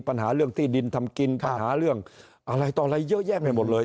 ปัญหาเรื่องที่ดินทำกินปัญหาเรื่องอะไรต่ออะไรเยอะแยะไปหมดเลย